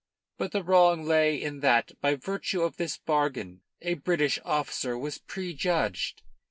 But the wrong lay in that by virtue of this bargain a British officer was prejudged.